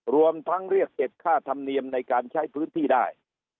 รวมทั้งเรียกเก็บค่าธรรมเนียมในการใช้พื้นที่ได้